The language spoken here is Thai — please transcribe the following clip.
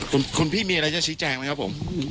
คุณพี่มีอะไรจะชี้แจงไหมครับผม